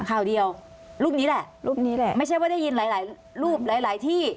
ข่าวเดียวรูปนี้แหละรูปนี้แหละไม่ใช่ว่าได้ยินหลายหลายรูปหลายหลายที่